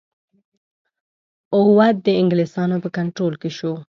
اَوَد د انګلیسیانو په کنټرول کې شو.